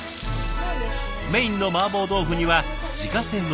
メインのマーボー豆腐には自家製のこうじみそを。